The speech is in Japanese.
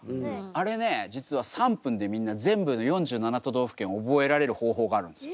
あれね実は３分でみんな全部の４７都道府県覚えられる方法があるんですよ。